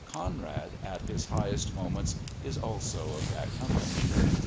Conrad, at his highest moments, is also of that company.